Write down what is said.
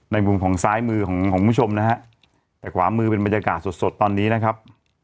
มุมของซ้ายมือของของคุณผู้ชมนะฮะแต่ขวามือเป็นบรรยากาศสดสดตอนนี้นะครับ